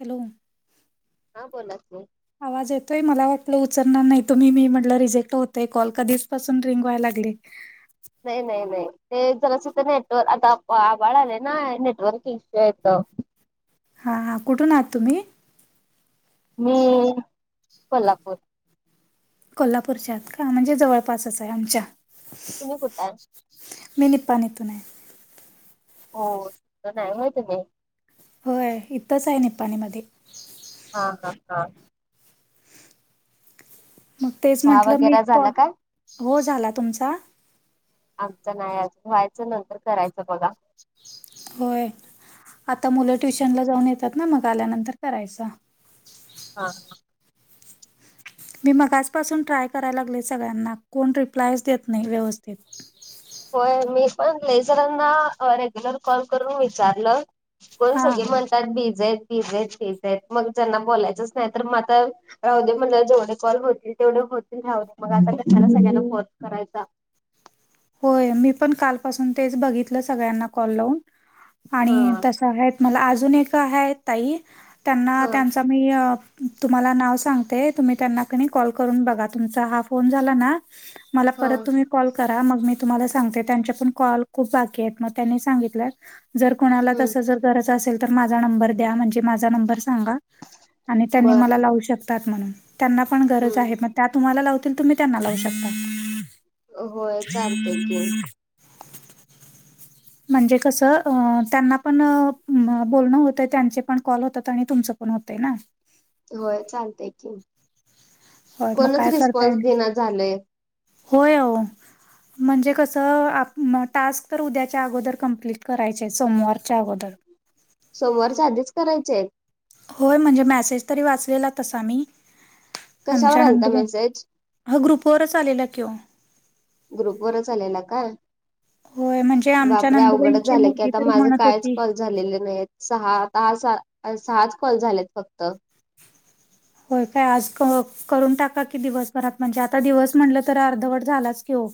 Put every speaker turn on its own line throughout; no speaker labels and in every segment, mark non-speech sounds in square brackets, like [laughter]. Hello.
हा बोला की.
आवाज येतोय? मला वाटलं उचलणार नाही तुम्ही मी म्हटलं रिजेक्ट होतेय कॉल कधीच पासून रिंग व्हाया लागली.
नाही, नाही, नाही ते जरास ते नेटवर्क आता आभळ आले ना नेटवर्क इश्यू येत.
हां हां कुठून आहात तुम्ही?
मी कोल्हापूर.
कोल्हापूरच्यात का म्हणजे जवळपासच आहे आमच्या.
तुम्ही कुठं आहे?
मी निपानी तु आहे.
हो तर इथच आहे हाय का नाय.
होय इथंच आहे निपाणीमध्ये.
हा हा हा.
मग तेच
चहा
म्हटलं मी
वगैरे झाला
कॉल
काय
हो झाला तुमचा
आमच नाही अजून व्हायचं नंतर करायच बघा.
होय आता मुलं ट्युशनला जाऊन येतात ना मग आल्यानंतर करायचा.
हा.
मी मगाच आजपासून ट्राय करायला लागले सगळ्यांना कोण रिप्लायच देत नाही व्यवस्थित.
होय मी पण लयझरांना रेग्युलर कॉल करून विचारल पण
हां
सगळे म्हणतात बिजेत बिजेत बिजेत मग त्यांना बोलायचंच नाही तर म आता. राहुदे म्हणलं जेवढे कॉल होतील तेवढे होतील रावते मग आता कशाला सगळ्यांना फोन करायचा.
होय मी पण कालपासून तेच बघितलं सगळ्यांना कॉल लावून. आणि
हा
तस आहेत मला अजून एक आहेत ताई त्यांना
हा
त्यांचा तर मी तुम्हाला नाव सांगते तुम्ही त्यांनाकणी कॉल करून बघा तुमचा हा फोन झाला ना मला
हा
परत तुम्ही कॉल करा मग मी तुम्हाला सांगते त्यांचे पण कॉल खूप बाकी आहेत मग त्यांनी सांगितलं जर कोणाला
हम्म
तसं जर असेल तर माझा नंबर द्या म्हणजे माझा नंबर सांगा त्यांनी
बर
मला लावु शक तात म्हणून, त्यांना पण गरज
हम्म
आहे, मग त्या तुम्हाला लावतील तुम्ही त्यांना लावू शकता.
होय चालते की.
म्हणजे कसं, त्यांना पण अ बोलणं होतंय, त्यांचे पण कॉल होतात आणि तुमचं पण होतय ना.
होय चालतय की,
होय मग
कोणच
काय करताय
रिस्पॉन्स
आणि
देईना झालंय.
होय ओ. म्हणजे कसं, आ टास्क तर उद्याच्या अगोदर कम्प्लीट करायचे आहे, सोमवारच्या अगोदर.
सोमवारच्या आधीच करायचेत?
होय म्हणजे मेसेज तरी वाचलेला तसा मी.
कशावर
आमच्या
आलता
नंदुबाई,
मेसेज
ह ग्रुपवरच आलेला कि हो.
ग्रुपवरच आलेला का?
होय म्हणजे आमच्या
बापरे! अवघडच
नंदुबाईंची
झालं की
मुलगी
आता
तरी
माझं
म्हणत
कायच
होती
कॉल झालेले नाही, सहाहा सहाच कॉल झालेत फक्त.
हो काय, आज क करून टाका की दिवसभरात, म्हणजे आता दिवस म्हटलं तर अर्धवट झालाच की हो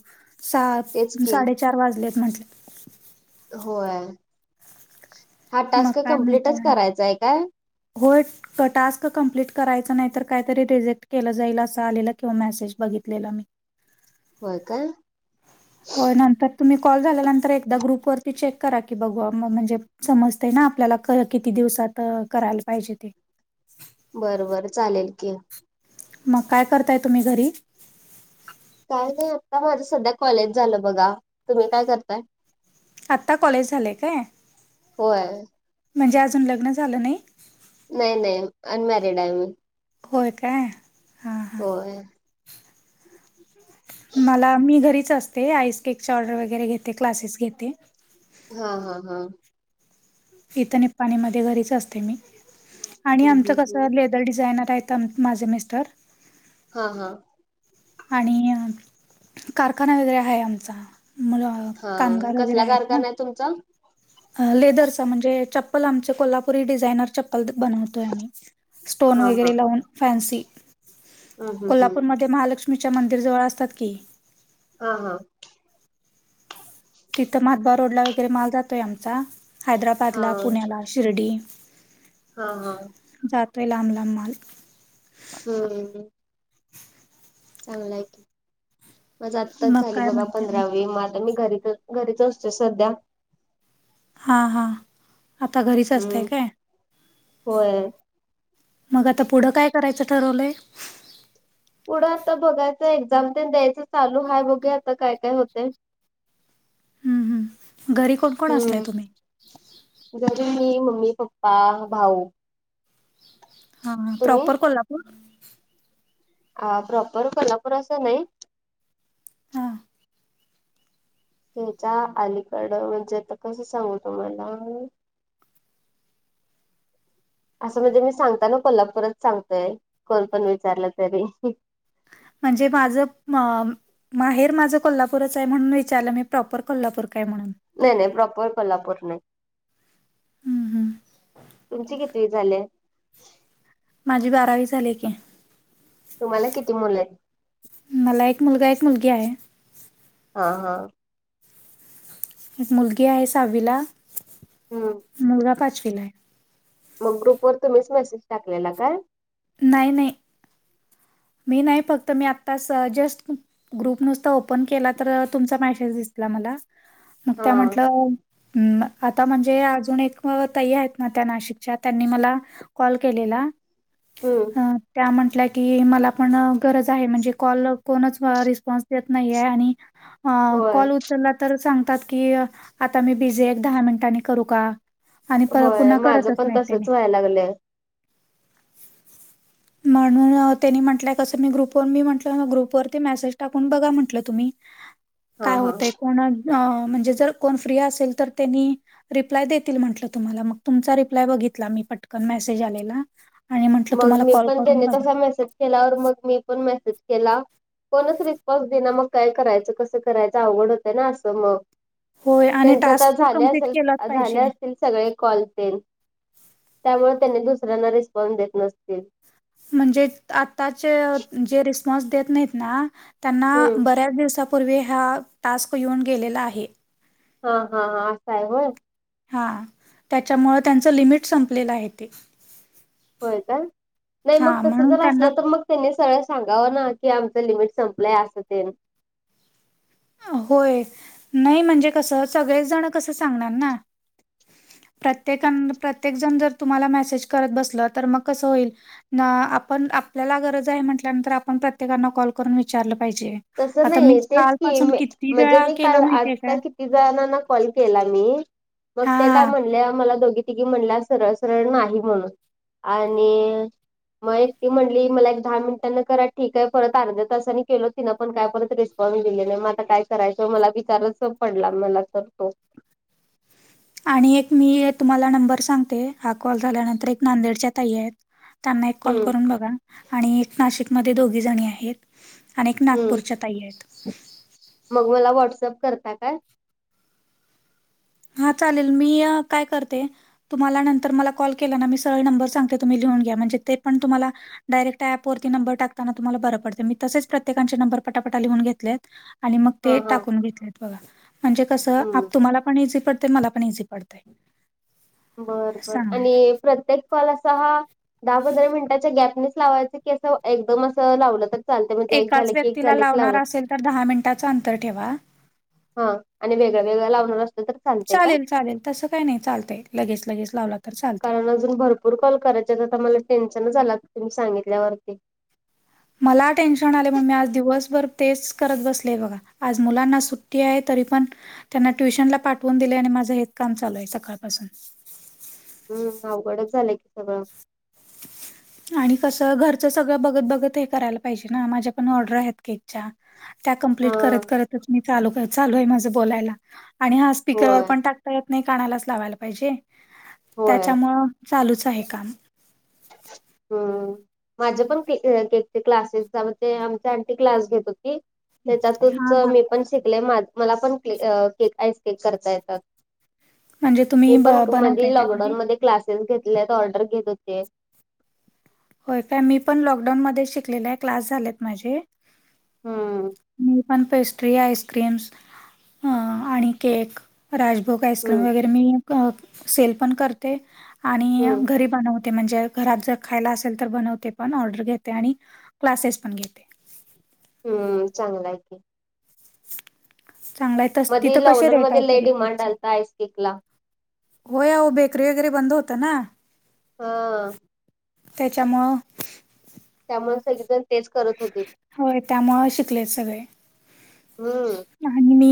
सा
तेच की
साडेचार वाजलेत म्हटल
होय, हा
मग
टास्क
काय म्हणताय
कंप्लिटच
आणि
करायचाय काय?
होय क टास्क कम्प्लीट करायचं, नाही तर कायतरी रिजेक्ट केलं जाईल, असं आलेलं की व मेसेज बघितलेला मी. [inaudible]
होय का?
होय नंतर तुम्ही कॉल झाल्यानंतर एकदा ग्रुप वरती चेक करा की, बघू म्हणजे समजते ना आपल्याला क किती दिवसात अ करायला पाहिजे ते.
बर बर चालेल की.
मग काय करताय तुम्ही घरी?
काय नाही आता माझं सध्या कॉलेज झालं बघा. तुम्ही काय करताय?
आत्ता कॉलेज झालेय काय?
होय
म्हणजे अजून लग्न झालं नाही?
नाही नाही, अनमॅरिड आहे मी.
होय काय? हां हां
होय
मला मी घरीच असते, आईस केक ऑर्डर वगैरे घेते क्लासेस घेते.
हा हा हा
इथं निप्पाणी मध्ये घरीच असते मी, आणि
हम्म
आमचं
हम्म
कसं‌
हम्म
ले दर डिझायनर आहेत माझे मिस्टर.
हा हा
आणि अ कारखाना वगैरे आहे आमचा मुलं‌
हा, कसला कारखाना आहे तुमचा?
लेदरचा म्हणजे, चप्पल आमचे कोल्हापुरी डिझायनर चप्प पल बनवतोय आम्ही, स्टोन
हा हा
वगैरे लावून फँसी,
हम्म हम्म हम्म
कोल्हापूरमध ते महालक्ष्मीच्या मंदिर जवळ असतात की.
हा हा
तिथं माधबा रोडला वगैरे माल जातोय आमचा.
हा
हैदराबादला, पुण्याला, शिर्डी
हा हा
जातोय लांब लांब माल.
हम्म हम्म चांगलं आहे की, माझं आताच
मग
झाली
काय
बघा
म्हणताय आणि?
पंधरावी, मग आता मी घरीच अ घरीच असतोय सध्या.
हा हा, आता घरीच असताय
हम्म
काय?
होय.
मग आता पुढं काय? करायचं ठरवलंय.
पुढं आता बघायच. एक्झाम ते द्यायच चालू हाय. बघुया आता काय काय होतय.
हम्म हम्म. घरी कोण कोण असताय
हम्म
तुम्ही?
घरी, मी, मम्मी, पप्पा, भाऊ.
हा ह.
तुम्ही
प्रॉपर कोल्हापूर.
आ, प्रॉपर कोल्हापुर अस नाही.
हा
त्याच्या अलीकड. म्हणजे आता कसं सांगू तुम्हाला? असं म्हणजे मी सांगता ना कोल्हापूरात सांगतोय. कोण पण विचारलं तरी.
म्हणजे माझं. म माहेर माझं कोल्हापूरच आहे. म्हणून विचारलं मी. प्रॉपर कोल्हापूर काय म्हणून.
नाही नाही. प्रॉपर कोल्हापूर नाही.
हम्म हम्म.
तुमची किती झाले?
माझी बारावी झालीय की.
तुम्हाला किती मुलंयेत.
मला एक मुलगा. एक मुलगी आहे.
हा हा.
एक मुलगी आहे साहावीला.
हम्म.
मुलगा पाचवीलाय.
मग, ग्रुप वर तुम्हीच मेसेज टाकलेला काय?
नाही नाही. मी नाही. फक्त मी आत्ताच जस्ट ग्रुप नुसता ओपन केला. तर तुमचा मेसेज दिसला मला. मग
हा
त्या म्हटलं अम्म आता म्हणजे अजून एक ताई आहेत ना. त्या नाशिकच्या. त्यांनी मला कॉल केलेला.
हम्म.
त्या म्हंटल्या की, मला पण गरज आहे. म्हणजे कॉल कोणच रिस्पॉन्स देत नाही. आणि
होय
कॉल उचलला तर सांगतात की, आता मी बिझीये. एक दहा मिनिटांनी करू का? आणि पर
होय
पुन्हा
माझं
करतच
पण
नाहीतेने.
तसच व्हायला लागलंय
म्हणून त्यांनी म्हण तस ग्रुप. मी म्हटले ग्रुप मसेज टाकून बघा म्हटलं तुम्ही.
हा
काय
हा
होतेय? कोण म्हणजे जर कोण फ्री असेल तर. त्यांनी रिप्लाय देतील म्हटलं तुम्हाला. मग तुमचा रिप्लाय बघितला मी पटकन. मेसेज आलेला. आणि म्हटलं
मग
तुम्हाला
मी
कॉल
पण.
करून
त्यांनी
बघा.
कसा मेसेज केलावर. मग मी पण मेसेज ला. कोणच रिस्पॉन्स देईना. मग काय करायचं. कसं करायचं. आवघड होतय ना. असं मग.
होय आणि
त्यांच त
टास्क तर
झाल्या
कंप्लीट
असेल.
केलाच
झाल्या
पाहिजे.
असतील. सगळे कॉल तेन. त्यामुळे त्यांनी दुसऱ्यांना रिस्पॉन्स देत नसतील.
म्हणजे आताचे जे, रिस्पॉन्स देत नाहीत ना. त्यांना
हम्म
बऱ्याच दिवसापूर्वी, हा टास्क येऊन गेलेला आहे.
ह, ह, ह. असं आहे होय.
हा त्याच्यामुळे, त्यांचं लिमिट संपलेलं आहे ते.
होय काय. नाही मग
हा
तस
म्हणून
जर
त्यांना
असलं तर मग. त्यांनी सरळ सांगावं ना. की आमच लिमिट संपलंय असं ते.
होय. नाही म्हणजे कसं. सगळेच जण कसं सांगणार ना. प्रत्येकन प्रत्येक जण जर तुम्हाला मेसेज करत बसलं. तर मग कसं होईल. आपण आपल्याला गरज आहे. म्हटल्यानंतर आपण प्रत्येकना कॉल करून विचारलं पाहिजे.
तसं
आता
नाही.
मी
तेच की.
कालपासून किती
म्हणजे
वेळा
मी काल.
केला माहितीय
आता
काय
कि ति जनाना कॉल केला मी. मग
हा
ते
हा
काय म्हणले मला दोघी की म्हणला सरळ सरळ नाही म्हणून आणि मग एक ती म्हटली मला एक दहा मिनिटांना करा ठीक आहे परत अर्ध्या तासनी केलं तिथं पण काय परत रिस्पॉन्स दिले नाही मग आता काय करायचं मला विचारच पडला मला तर तो.
आणि एक मी तुम्हाला नंबर सांगते हा कॉल झाल्यानंतर एक नांदेडच्या ताई आहेत त्यांना एक कॉल
हम्म
करून बघा आणि एक नाशिक मध्ये दोघी जणी आहेत आणि एक
हम्म
नागपूरच्या ताई आहेत.
मग मला व्हॉट्सअप करता का.
हा चालेल मी अ काय करते. तुम्हाला नंतर मला कॉल केला ना मी सगळे नंबर सांगते तुम्ही लिहून घ्या म्हणजे ते पण तुम्हाला डायरेक्ट ऑप वरती नंबर टाकताना तुम्हाला बरं पडतें मी तसेच प्रत्येकाचे नंबर पटापटा लिहून घेतले. आणि मग
हा
ते
हा
टाकून घेतलेत बघा म्हणजे कसं
हम्म
आप तुम्हाला [unintelligible] पडतेय मला पण इझी पडतय.
बर बर आणि प्रत्येक कॉल असा हा दहा पंधरा मिनिटाच्या गॅपनेच लावायच की एकदम अस लावलं त
एकाच व्यक्तीला लावणार असेल तर दहा मिनिटाचा अंतर ठेवा.
हा आणि वेगळं वेगळं लावणार असतेल तर चालतंय काय
चालेल चालेल तसं काय नाही चालतंय लगेच लगेच लाव लाग
कारण अजून भरपूर कॉल करायच्या आता मला टेन्शन झाला तुम्ही सांगितल्यावरती
मला टेन्शन आले म्हण मी आज दिवसभर तेच करत बसलेय बघा. आज मुलांना सुट्टी आहे तरी पण त्यांना ट्युशन ला पाठवून दिले आणि माझं हेच काम चालू आहे सकाळपासून.
हम्म अवघडच झालंय की सगळं.
आणि कसं घरचं सगळं बघत बघत हे करायला पाहिजे ना माझ्या पण ऑर्डर आहेत केक च्या त्या
हा
करत करत चालू आहे माझ बोलायला. स्पीकरवर
होय
पण टाकता येत नाही कानालाच लावायला पाहिजे
होय
त्याच्यामुळं चालूच आहे काम.
हम्म. माझ्या पण ते क्लासेस आमची अंटी क्लास घेत होती
हा
त्याच्यातून
हा
मी पण शिकले मला पण केक आईस केक करता येत.
म्हणजे तुम्ही
हे
ब
पण
बनवताय
मध्ये
काय
लॉकडाऊन
घरी?
मध्ये क्लासेस घेतलेत ऑर्डर घेत होते.
होय काय मी पण लॉकडाऊनमध्येध्ये शिकलेले आहे क्लास झालेत माझे.
हम्म
मी पण पेस्ट्री आईस्क्रीम्स हम्म आणि केक राजभोग आईस्क्रीम
हम्म
वगैरे मी सेल पण करते आणि
हम्म.
घरी बनवते म्हणजे घरात जर खायला असेल तर बनवते पण ऑर्डर घेते आणि क्लासेस पण घेते.
हम्म चांगलं आहे की.
चांगलाय त
मध्ये
तिथं कसे
लॉकडाऊन
रेट आहे
मध्ये लय
तरी
डिमांड
केकचे.
आलता आईस केकला
हो या हो बेकरी वगैरे बंद होत ना.
हो.
त्याच्यामुळं.
त्यामुळे सगळेजण तेच करत होते
होय त्यामुळं शिकलेत सगळे.
हम्म.
आणि मी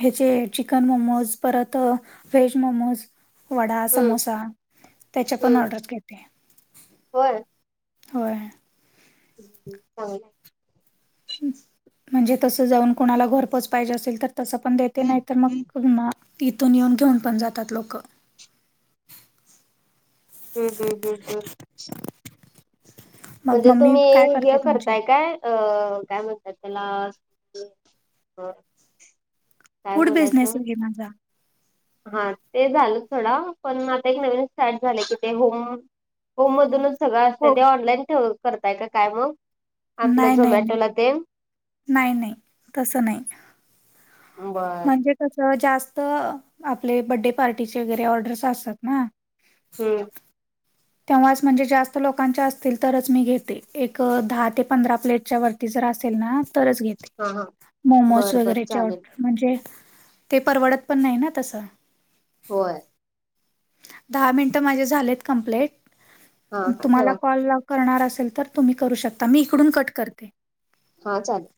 ह्याचे चिकन मोमोज परत व्हेज मोमोज वडा
हम्म
समोसा त्याच्या पण ऑर्डर घेते.
व्हय.
होय.
हम्म हम्म होय.
म्हणजे तसं जाऊन कुणाला घर पोच पाहिजे असेल तर तसं पण देते
हम्म
नाही तर म इथून येऊन घेऊन पण जातात लोकं.
हम्म हम्म हम्म हम्म.
मग
म्हणजे
मम्मी
तुम्ही
काय
हे
करते तुमची
करताय काय? अ काय म्हणतात त्याला काय
फूड बिझनेस
बोलायचं
आहे माझा.
हा ते झालं सोडा, पण आता एक नवीन स्टार्ट झालं कि ते होम होम मधूनच सगळं असत,
हो
ते ऑनलाईन ठेव करताय काय मग? आपलं
नाय नाय नाय
झोमॅटोला ते [unintelligible]
नाही, नाही, तसं नाही.
बर
म्हणजे कसं जास्त आपले बर्थडे पार्टीचे वगैरे ऑर्डर्स असतात ना.
हम्म.
तेव्हाच म्हणजे जास्त लोकांच्या असतील, तरच मी घेते एक दहा ते पंधरा प्लेटच्या वरती जर असेल ना तरच घेते,
हा हा
मोमोज
बर बर
वगैरेचे
चालेल
ऑर्डर. म्हणजे ते परवडत पण नाही ना तसं.
होय.
दहा मिनिटं माझे झालेत कंप्लीट,
हा हा
तुम्हाला
ठेवा
कॉल ला करणार असेल तर तुम्ही करू शकता, मी इकडून कट करते.
हा चालेल.